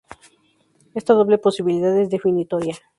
Esta doble posibilidad es definitoria.